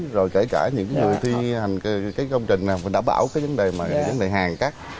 rồi kể cả những người thi hành công trình đảm bảo vấn đề hàng cắt